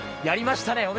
やりましたね。